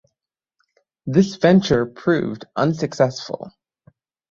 This venture proved unsuccessful.